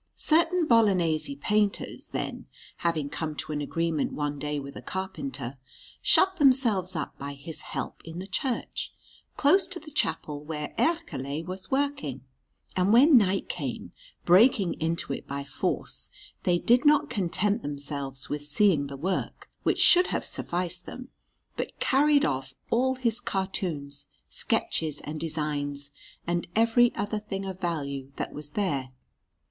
Certain Bolognese painters, then, having come to an agreement one day with a carpenter, shut themselves up by his help in the church, close to the chapel where Ercole was working; and when night came, breaking into it by force, they did not content themselves with seeing the work, which should have sufficed them, but carried off all his cartoons, sketches, and designs, and every other thing of value that was there.